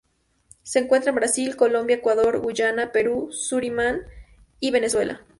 Se encuentra en Brasil, Colombia, Ecuador, Guyana, Perú, Surinam y Venezuela.